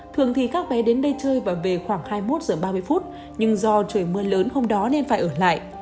thường thì các bé đến đây chơi và về khoảng hai mươi một h ba mươi nhưng do trời mưa lớn hôm đó nên phải ở lại